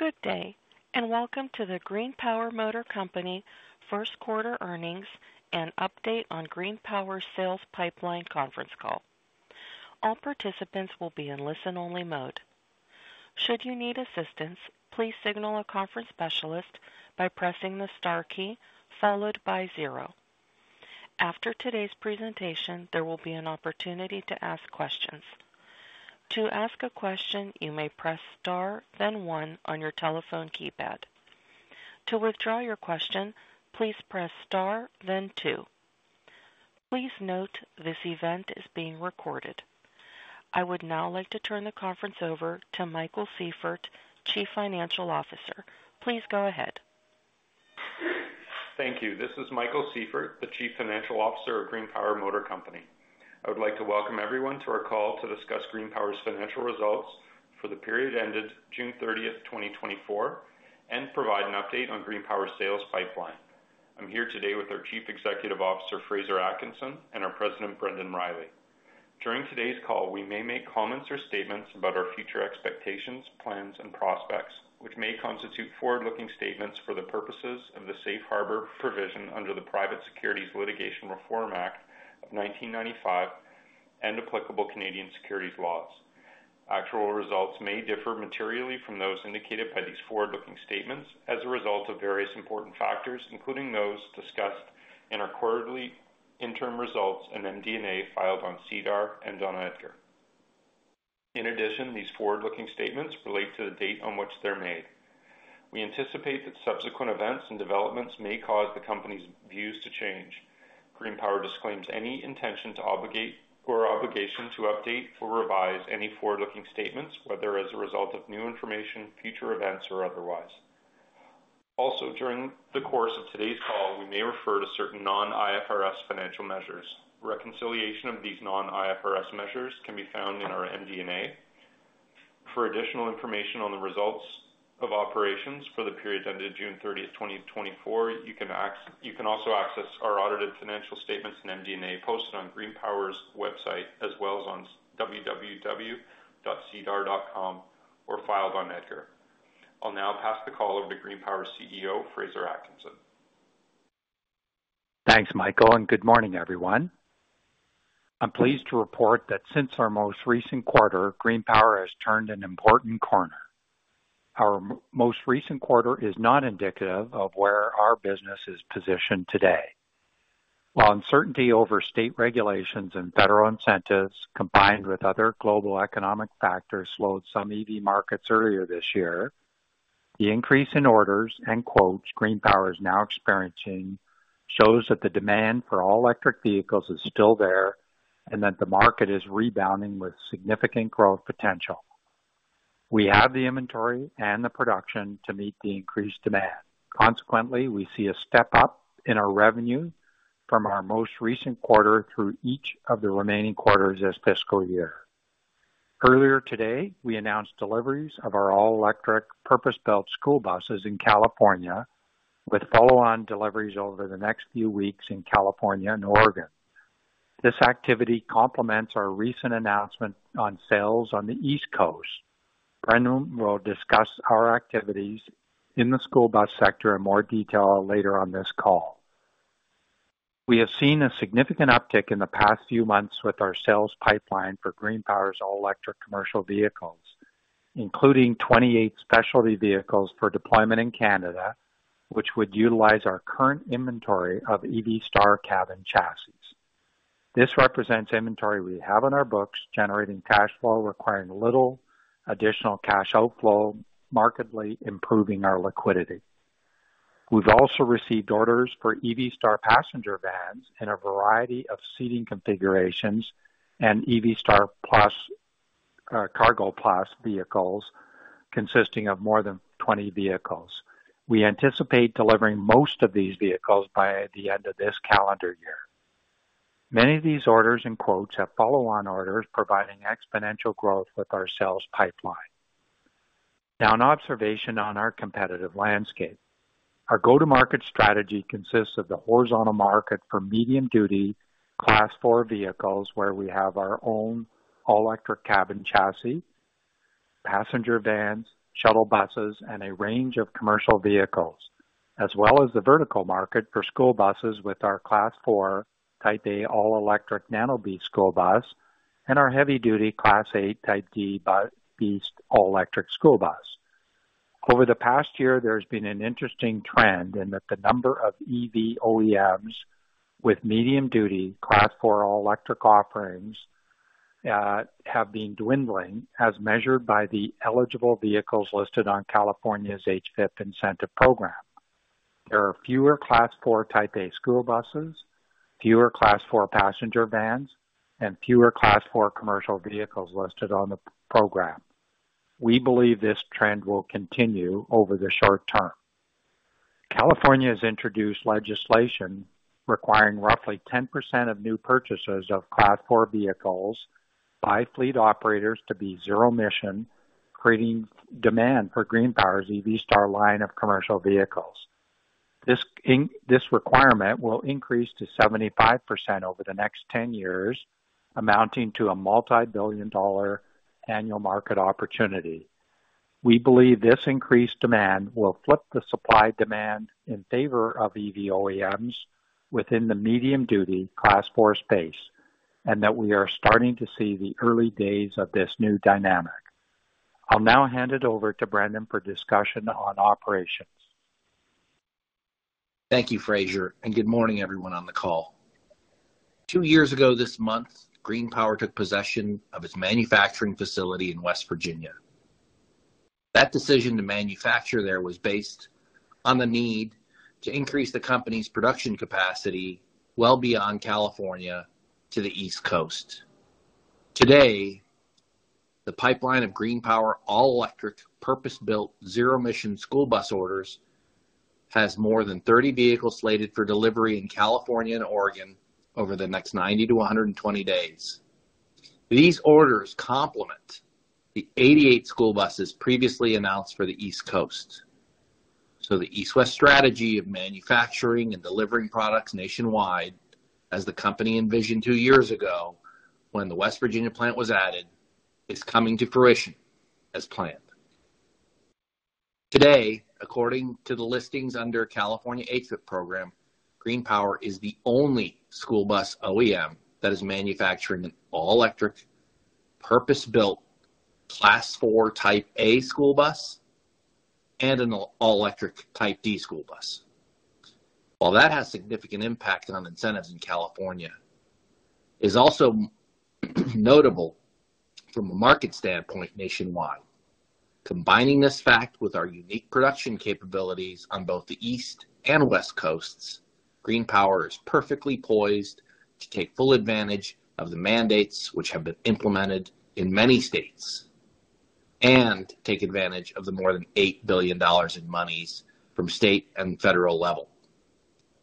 Good day, and welcome to the GreenPower Motor Company First Quarter Earnings and update on GreenPower sales pipeline conference call. All participants will be in listen-only mode. Should you need assistance, please signal a conference specialist by pressing the star key followed by zero. After today's presentation, there will be an opportunity to ask questions. To ask a question, you may press star, then one on your telephone keypad. To withdraw your question, please press star, then two. Please note, this event is being recorded. I would now like to turn the conference over to Michael Sieffert, Chief Financial Officer. Please go ahead. Thank you. This is Michael Sieffert, the Chief Financial Officer of GreenPower Motor Company. I would like to welcome everyone to our call to discuss GreenPower's financial results for the period ended June 30 of 2024, and provide an update on GreenPower's sales pipeline. I'm here today with our Chief Executive Officer, Fraser Atkinson, and our President, Brendan Riley. During today's call, we may make comments or statements about our future expectations, plans, and prospects, which may constitute forward-looking statements for the purposes of the Safe Harbor provision under the Private Securities Litigation Reform Act of 1995 and applicable Canadian securities laws. Actual results may differ materially from those indicated by these forward-looking statements as a result of various important factors, including those discussed in our quarterly interim results and MD&A filed on SEDAR and on EDGAR. In addition, these forward-looking statements relate to the date on which they're made. We anticipate that subsequent events and developments may cause the company's views to change. GreenPower disclaims any intention to obligate or obligation to update or revise any forward-looking statements, whether as a result of new information, future events, or otherwise. Also, during the course of today's call, we may refer to certain non-IFRS financial measures. Reconciliation of these non-IFRS measures can be found in our MD&A. For additional information on the results of operations for the period ended June 30, 2024, you can also access our audited financial statements and MD&A posted on GreenPower's website, as well as on www.sedar.com or filed on EDGAR. I'll now pass the call over to GreenPower's CEO, Fraser Atkinson. Thanks, Michael, and good morning, everyone. I'm pleased to report that since our most recent quarter, GreenPower has turned an important corner. Our most recent quarter is not indicative of where our business is positioned today. While uncertainty over state regulations and federal incentives, combined with other global economic factors, slowed some EV markets earlier this year, the increase in orders and quotes GreenPower is now experiencing shows that the demand for all-electric vehicles is still there and that the market is rebounding with significant growth potential. We have the inventory and the production to meet the increased demand. Consequently, we see a step up in our revenue from our most recent quarter through each of the remaining quarters this fiscal year. Earlier today, we announced deliveries of our all-electric purpose-built school buses in California, with follow-on deliveries over the next few weeks in California and Oregon. This activity complements our recent announcement on sales on the East Coast. Brendan will discuss our activities in the school bus sector in more detail later on this call. We have seen a significant uptick in the past few months with our sales pipeline for GreenPower's all-electric commercial vehicles, including 28 specialty vehicles for deployment in Canada, which would utilize our current inventory of EV Star Cab & Chassis. This represents inventory we have on our books, generating cash flow, requiring little additional cash outflow, markedly improving our liquidity. We've also received orders for EV Star passenger vans in a variety of seating configurations and EV Star Cargo Plus vehicles, consisting of more than 20 vehicles. We anticipate delivering most of these vehicles by the end of this calendar year. Many of these orders and quotes have follow-on orders, providing exponential growth with our sales pipeline. Now, an observation on our competitive landscape. Our go-to-market strategy consists of the horizontal market for medium-duty Class 4 vehicles, where we have our own all-electric cab and chassis, passenger vans, shuttle buses, and a range of commercial vehicles, as well as the vertical market for school buses with our Class 4, Type A all-electric Nano BEAST school bus and our heavy-duty Class A, Type D BEAST all-electric school bus. Over the past year, there's been an interesting trend in that the number of EV OEMs with medium-duty Class 4 all-electric offerings, have been dwindling, as measured by the eligible vehicles listed on California's HVIP incentive program. There are fewer Class 4, Type A school buses, fewer Class 4 passenger vans, and fewer Class 4 commercial vehicles listed on the program. We believe this trend will continue over the short term. California has introduced legislation requiring roughly 10% of new purchases of Class 4 vehicles by fleet operators to be zero-emission, creating demand for GreenPower's EV Star line of commercial vehicles. This requirement will increase to 75% over the next 10 years, amounting to a multi-billion-dollar annual market opportunity. We believe this increased demand will flip the supply-demand in favor of EV OEMs within the medium-duty Class 4 space, and that we are starting to see the early days of this new dynamic. I'll now hand it over to Brendan for discussion on operations. Thank you, Fraser, and good morning, everyone on the call. Two years ago this month, GreenPower took possession of its manufacturing facility in West Virginia. That decision to manufacture there was based on the need to increase the company's production capacity well beyond California to the East Coast. Today, the pipeline of GreenPower all-electric, purpose-built, zero-emission school bus orders has more than 30 vehicles slated for delivery in California and Oregon over the next 90 days to 120 days. These orders complement the 88 school buses previously announced for the East Coast. So the East West strategy of manufacturing and delivering products nationwide, as the company envisioned two years ago when the West Virginia plant was added, is coming to fruition as planned. Today, according to the listings under California HVIP program, GreenPower is the only school bus OEM that is manufacturing an all-electric, purpose-built, Class 4 Type A school bus and an all-electric Type D school bus. While that has significant impact on incentives in California, it's also notable from a market standpoint nationwide. Combining this fact with our unique production capabilities on both the East and West Coasts, GreenPower is perfectly poised to take full advantage of the mandates which have been implemented in many states, and take advantage of the more than $8 billion in monies from state and federal level,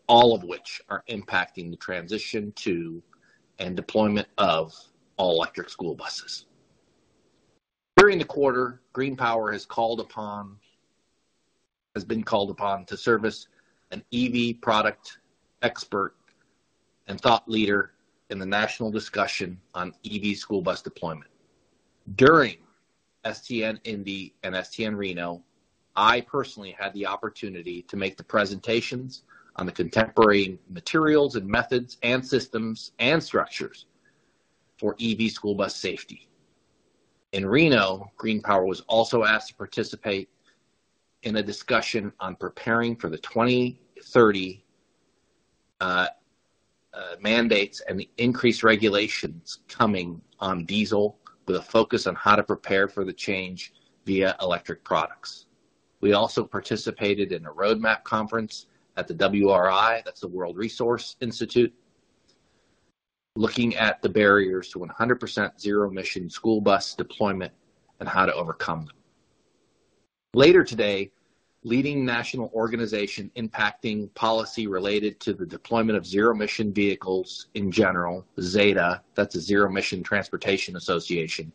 all of which are impacting the transition to and deployment of all-electric school buses. During the quarter, GreenPower has been called upon to serve as an EV product expert and thought leader in the national discussion on EV school bus deployment. During STN Indy and STN Reno, I personally had the opportunity to make the presentations on the contemporary materials, and methods, and systems, and structures for EV school bus safety. In Reno, GreenPower was also asked to participate in a discussion on preparing for the 2030 mandates and the increased regulations coming on diesel, with a focus on how to prepare for the change via electric products. We also participated in a roadmap conference at the WRI, that's the World Resources Institute, looking at the barriers to 100% zero-emission school bus deployment and how to overcome them. Later today, leading national organization impacting policy related to the deployment of zero-emission vehicles in general, ZETA, that's the Zero Emission Transportation Association,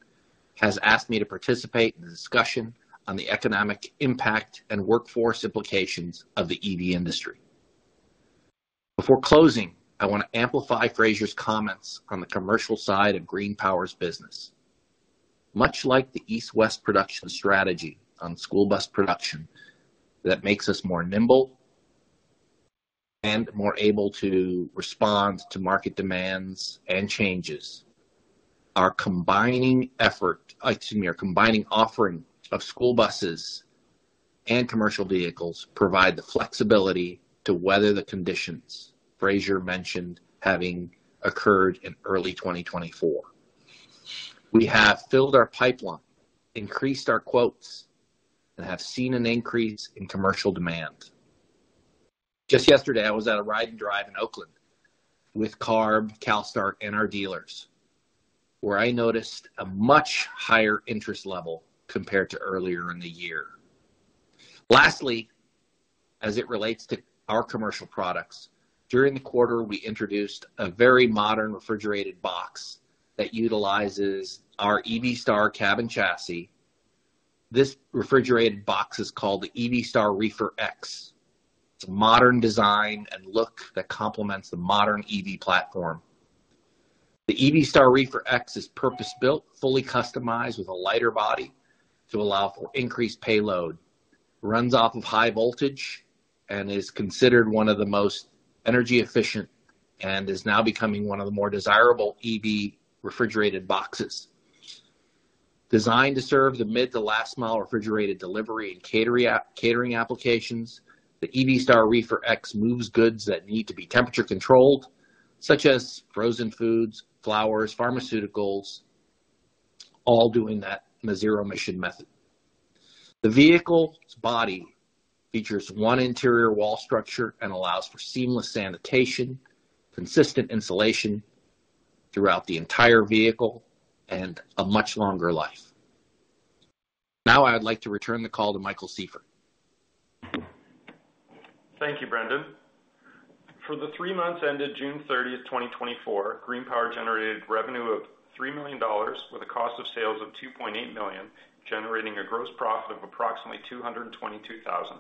has asked me to participate in a discussion on the economic impact and workforce implications of the EV industry. Before closing, I want to amplify Fraser's comments on the commercial side of GreenPower's business. Much like the East-West production strategy on school bus production, that makes us more nimble and more able to respond to market demands and changes, our combining effort, excuse me, our combining offering of school buses and commercial vehicles provide the flexibility to weather the conditions Fraser mentioned having occurred in early 2024. We have filled our pipeline, increased our quotes, and have seen an increase in commercial demand. Just yesterday, I was at a ride and drive in Oakland with CARB, CALSTART and our dealers, where I noticed a much higher interest level compared to earlier in the year. Lastly, as it relates to our commercial products, during the quarter, we introduced a very modern refrigerated box that utilizes our EV Star Cab & Chassis. This refrigerated box is called the EV Star ReeferX. It's a modern design and look that complements the modern EV platform. The EV Star ReeferX is purpose-built, fully customized with a lighter body to allow for increased payload, runs off of high voltage, and is considered one of the most energy efficient, and is now becoming one of the more desirable EV refrigerated boxes. Designed to serve the mid to last mile refrigerated delivery and catering applications, the EV Star ReeferX moves goods that need to be temperature-controlled, such as frozen foods, flowers, pharmaceuticals, all doing that in a zero-emission method. The vehicle's body features one interior wall structure and allows for seamless sanitation, consistent insulation throughout the entire vehicle, and a much longer life. Now, I'd like to return the call to Michael Sieffert. Thank you, Brendan. For the three months ended June 30 of 2024, GreenPower generated revenue of $3 million, with a cost of sales of $2.8 million, generating a gross profit of approximately $222,000.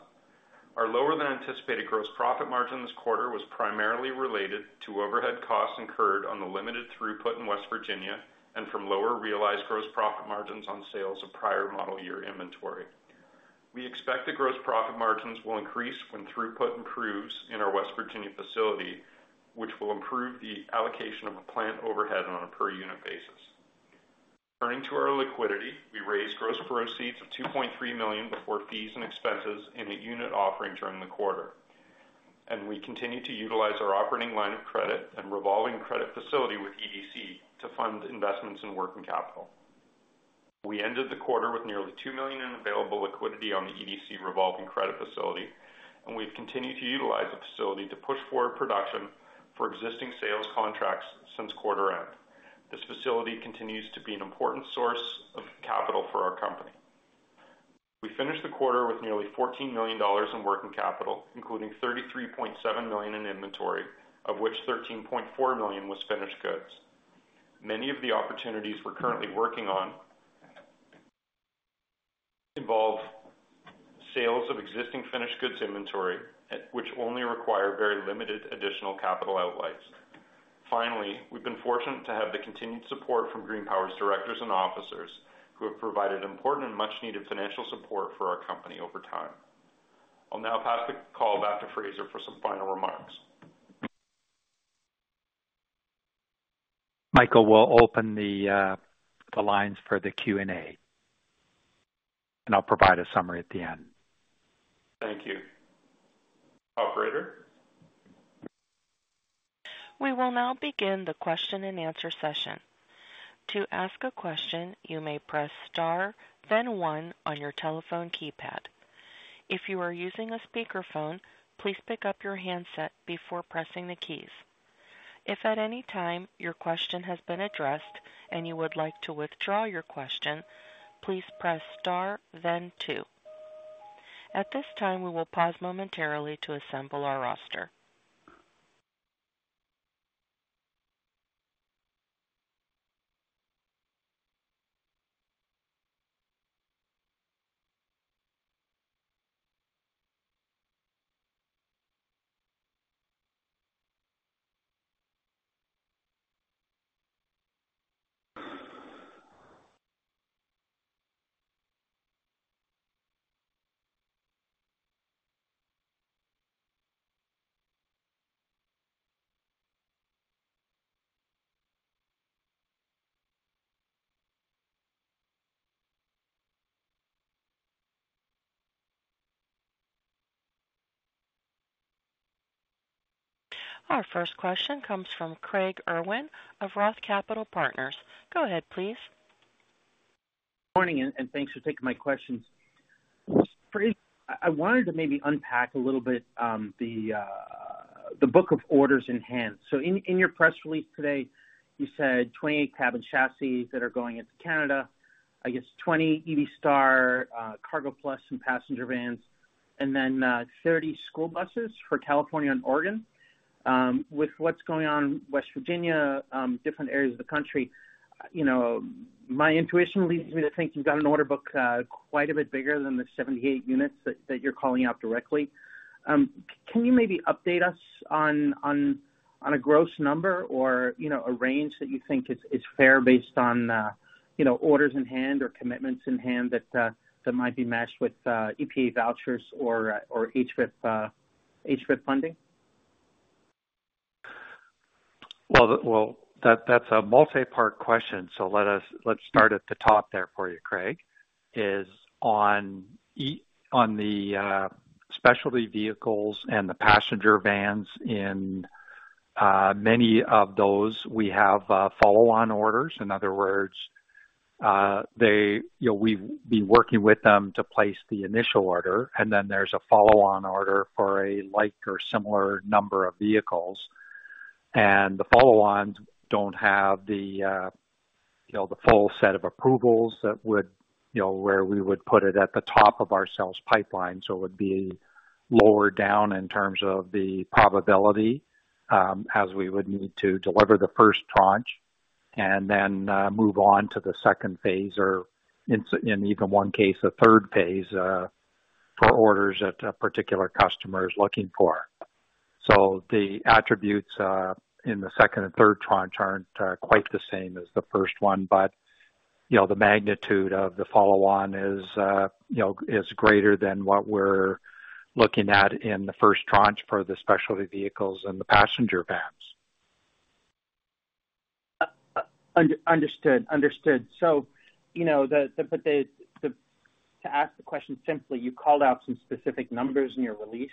Our lower than anticipated gross profit margin this quarter was primarily related to overhead costs incurred on the limited throughput in West Virginia and from lower realized gross profit margins on sales of prior model year inventory. We expect the gross profit margins will increase when throughput improves in our West Virginia facility, which will improve the allocation of a plant overhead on a per unit basis. Turning to our liquidity, we raised gross proceeds of $2.3 million before fees and expenses in a unit offering during the quarter, and we continue to utilize our operating line of credit and revolving credit facility with EDC to fund investments in working capital. We ended the quarter with nearly $2 million in available liquidity on the EDC revolving credit facility, and we've continued to utilize the facility to push forward production for existing sales contracts since quarter end. This facility continues to be an important source of capital for our company. We finished the quarter with nearly $14 million in working capital, including $33.7 million in inventory, of which $13.4 million was finished goods. Many of the opportunities we're currently working on involve sales of existing finished goods inventory, which only require very limited additional capital outlays. Finally, we've been fortunate to have the continued support from GreenPower's directors and officers, who have provided important and much needed financial support for our company over time. I'll now pass the call back to Fraser for some final remarks. Michael, we'll open the lines for the Q&A, and I'll provide a summary at the end. Thank you. Operator? We will now begin the question-and-answer session. To ask a question, you may press star, then one on your telephone keypad. If you are using a speakerphone, please pick up your handset before pressing the keys. If at any time your question has been addressed and you would like to withdraw your question, please press star, then two. At this time, we will pause momentarily to assemble our roster. Our first question comes from Craig Irwin of Roth Capital Partners. Go ahead, please. Morning, and thanks for taking my questions. I wanted to maybe unpack a little bit, the book of orders in hand. So in your press release today, you said 28 cab and chassis that are going into Canada, 20 EV Star Cargo Plus and Passenger Vans, and then 30 school buses for California and Oregon. With what's going on in West Virginia, different areas of the country, you know, my intuition leads me to think you've got an order book quite a bit bigger than the 78 units that you're calling out directly. Can you maybe update us on a gross number or, you know, a range that you think is fair based on, you know, orders in hand or commitments in hand that might be matched with EPA vouchers or HVIP funding? Well, that's a multi-part question, so let's start at the top there for you, Craig, on the specialty vehicles and the passenger vans. In many of those, we have follow-on orders. In other words, they, you know, we've been working with them to place the initial order, and then there's a follow-on order for a like or similar number of vehicles. And the follow-ons don't have the, you know, the full set of approvals that would, you know, where we would put it at the top of our sales pipeline. So it would be lower down in terms of the probability, as we would need to deliver the first tranche and then move on to the second phase, or in even one case, a third phase, for orders that a particular customer is looking for. The attributes in the second and third tranche aren't quite the same as the first one, but, you know, the magnitude of the follow-on is, you know, is greater than what we're looking at in the first tranche for the specialty vehicles and the passenger vans. Understood. Understood. So, you know, but to ask the question simply, you called out some specific numbers in your release.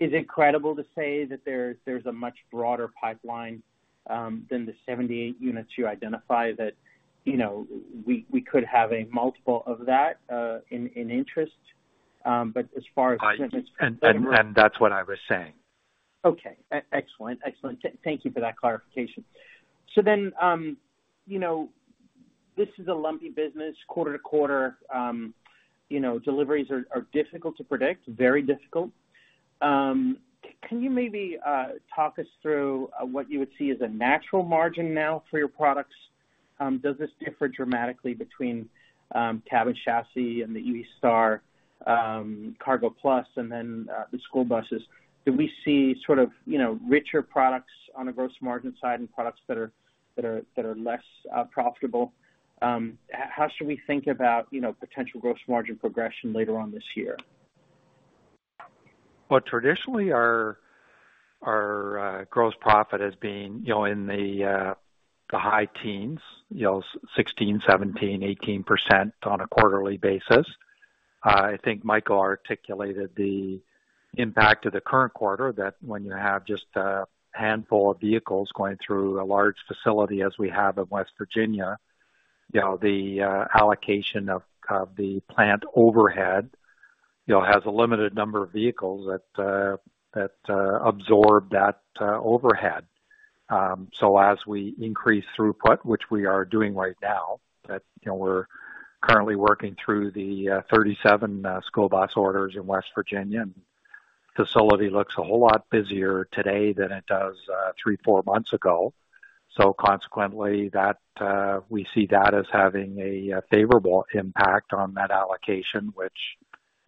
Is it credible to say that there's a much broader pipeline than the 78 units you identify, that you know, we could have a multiple of that in interest? But as far as- And that's what I was saying. Okay. Excellent. Excellent. Thank you for that clarification. So then, this is a lumpy business, quarter-to-quarter, you know, deliveries are difficult to predict, very difficult. Can you maybe talk us through what you would see as a natural margin now for your products? Does this differ dramatically between cab and chassis and the EV Star Cargo Plus, and then the school buses? Do we see sort of, you know, richer products on a gross margin side and products that are less profitable? How should we think about, you know, potential gross margin progression later on this year? Well, traditionally, our Gross Profit has been, you know, in the high teens, you know, 16, 17, 18% on a quarterly basis. I think Michael articulated the impact of the current quarter, that when you have just a handful of vehicles going through a large facility, as we have in West Virginia, you know, the allocation of the plant overhead, you know, has a limited number of vehicles that absorb that overhead. So as we increase throughput, which we are doing right now, that, you know, we're currently working through the 37 school bus orders in West Virginia, and facility looks a whole lot busier today than it does three months or four months ago. So consequently, that we see that as having a favorable impact on that allocation, which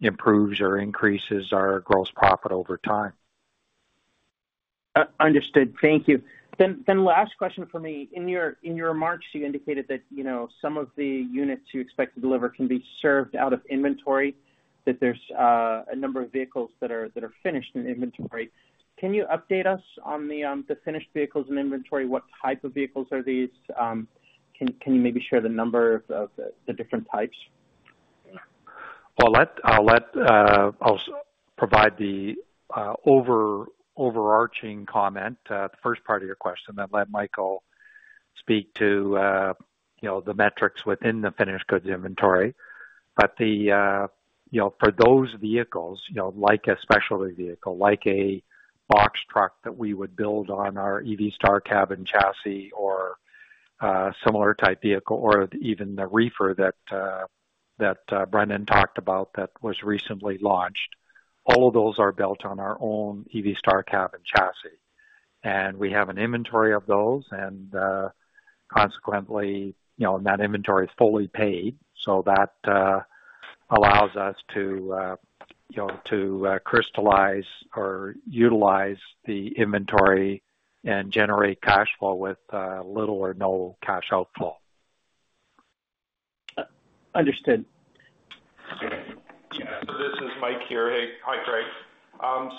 improves or increases our Gross Profit over time. Understood. Thank you. Then last question for me. In your remarks, you indicated that, you know, some of the units you expect to deliver can be served out of inventory, that there's a number of vehicles that are finished in inventory. Can you update us on the finished vehicles in inventory? What type of vehicles are these? Can you maybe share the number of the different types? Well, I'll provide the overarching comment, the first part of your question, then let Michael speak to, you know, the metrics within the finished goods inventory. But, you know, for those vehicles, you know, like a specialty vehicle, like a box truck that we would build on our EV Star Cab & Chassis or similar type vehicle, or even the reefer that Brendan talked about that was recently launched, all of those are built on our own EV Star Cab & Chassis. And we have an inventory of those, and consequently, you know, and that inventory is fully paid, so that allows us to, you know, to crystallize or utilize the inventory and generate cash flow with little or no cash outflow. Understood. Yeah, this is Mike here. Hey. Hi, Craig.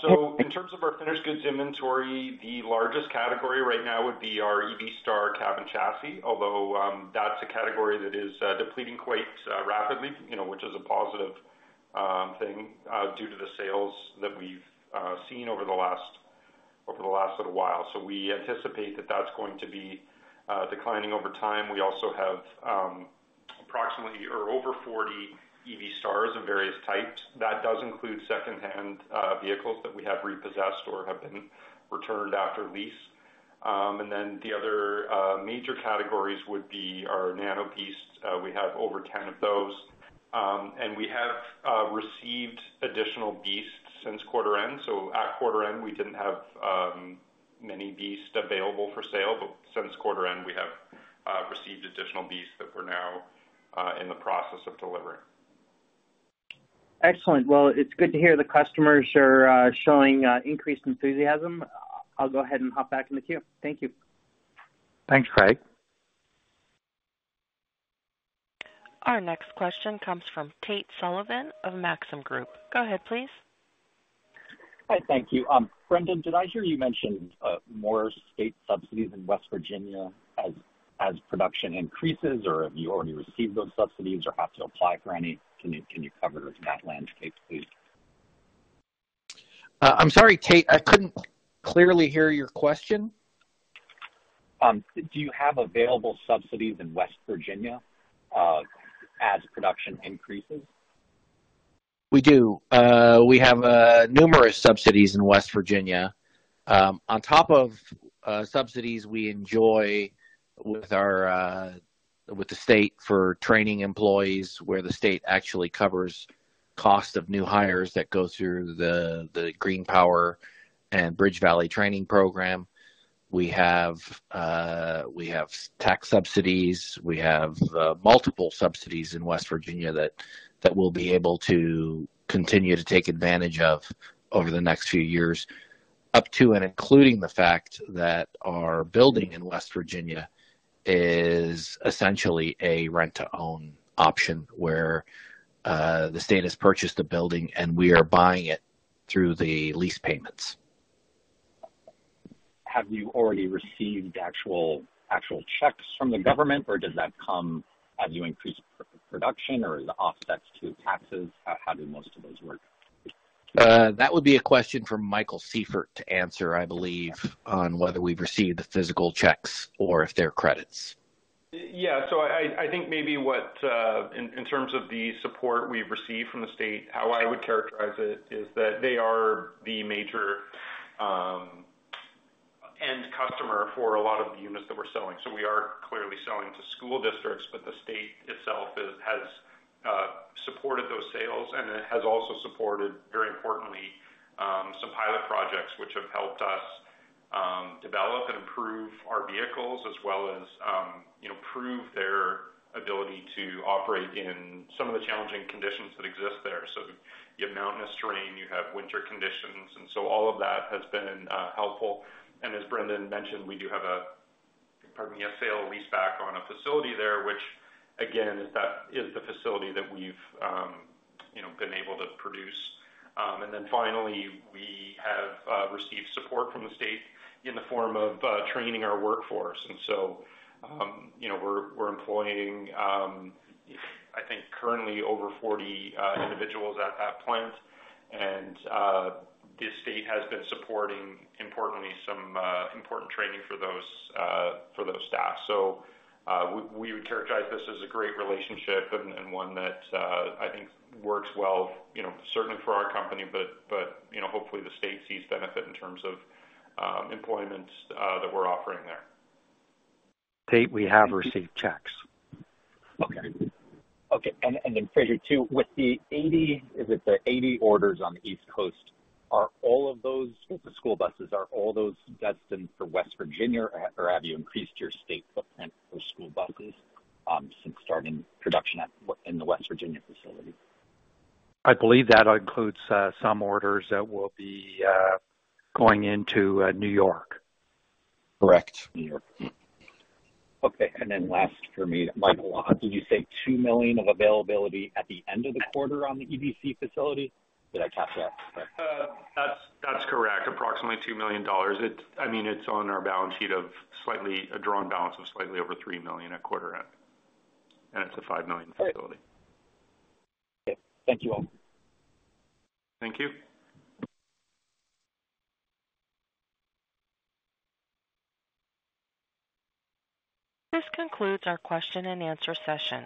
So in terms of our finished goods inventory, the largest category right now would be our EV Star Cab & Chassis, although, that's a category that is depleting quite rapidly, you know, which is a positive thing due to the sales that we've seen over the last, over the last little while. So we anticipate that that's going to be declining over time. We also have approximately or over 40 EV Stars of various types. That does include secondhand vehicles that we have repossessed or have been returned after lease. And then the other major categories would be our Nano BEAST. We have over 10 of those. And we have received additional BEASTs since quarter end. So at quarter end, we didn't have many BEASTs available for sale, but since quarter end, we have received additional BEASTs that we're now in the process of delivering. Excellent. Well, it's good to hear the customers are showing increased enthusiasm. I'll go ahead and hop back in the queue. Thank you. Thanks, Craig. Our next question comes from Tate Sullivan of Maxim Group. Go ahead, please. Hi, thank you. Brendan, did I hear you mention more state subsidies in West Virginia as production increases, or have you already received those subsidies or have to apply for any? Can you cover that landscape, please? I'm sorry, Tate, I couldn't clearly hear your question. Do you have available subsidies in West Virginia, as production increases? We do. We have numerous subsidies in West Virginia. On top of subsidies we enjoy with our with the state for training employees, where the state actually covers cost of new hires that go through the GreenPower and BridgeValley training program. We have we have tax subsidies. We have multiple subsidies in West Virginia that we'll be able to continue to take advantage of over the next few years, up to and including the fact that our building in West Virginia is essentially a rent-to-own option, where the state has purchased a building and we are buying it through the lease payments. Have you already received the actual checks from the government, or does that come as you increase production, or is it offsets to taxes? How do most of those work? That would be a question for Michael Sieffert to answer, I believe, on whether we've received the physical checks or if they're credits. Yeah, so I think maybe what, in terms of the support we've received from the state, how I would characterize it is that they are the major end customer for a lot of the units that we're selling. So we are clearly selling to school districts, but the state itself is has supported those sales, and it has also supported, very importantly, some pilot projects which have helped us develop and improve our vehicles, as well as, you know, prove their ability to operate in some of the challenging conditions that exist there. So you have mountainous terrain, you have winter conditions, and so all of that has been helpful. And as Brendan mentioned, we do have a, pardon me, a sale leaseback on a facility there, which again, is the facility that we've, you know, been able to produce. And then finally, we have received support from the state in the form of training our workforce. And so, you know, we're employing, I think currently over 40 individuals at that plant. And the state has been supporting, importantly, some important training for those staff. So we would characterize this as a great relationship and one that I think works well, you know, certainly for our company, but you know, hopefully the state sees benefit in terms of employments that we're offering there. To date, we have received checks. Okay. Okay, and then Fraser, too, with the 80, is it the 80 orders on the East Coast, are all of those school buses, are all those destined for West Virginia, or have you increased your state footprint for school buses, since starting production at the West Virginia facility? I believe that includes some orders that will be going into New York. Correct, New York. Okay, and then last for me, Michael, did you say $2 million of availability at the end of the quarter on the EDC facility? Did I catch that right? That's correct. Approximately $2 million. It's, I mean, it's on our balance sheet of slightly a drawn balance of slightly over $3 million at quarter end, and it's a $5 million facility. Okay. Thank you all. Thank you. This concludes our question and answer session.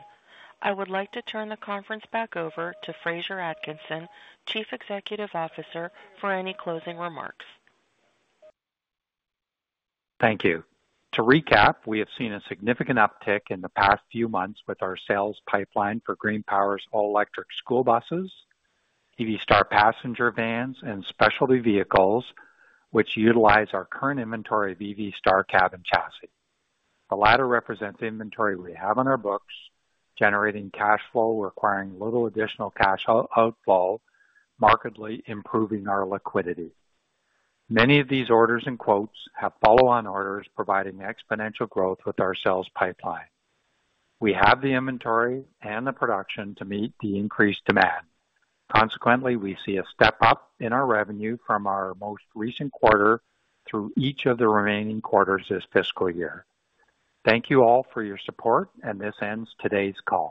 I would like to turn the conference back over to Fraser Atkinson, Chief Executive Officer, for any closing remarks. Thank you. To recap, we have seen a significant uptick in the past few months with our sales pipeline for GreenPower's all-electric school buses, EV Star passenger vans, and specialty vehicles, which utilize our current inventory of EV Star Cab & Chassis. The latter represents inventory we have on our books, generating cash flow, requiring little additional cash outflow, markedly improving our liquidity. Many of these orders and quotes have follow-on orders, providing exponential growth with our sales pipeline. We have the inventory and the production to meet the increased demand. Consequently, we see a step up in our revenue from our most recent quarter through each of the remaining quarters this fiscal year. Thank you all for your support, and this ends today's call.